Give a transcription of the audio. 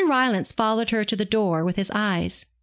Rylance followed her to the door with his eyes.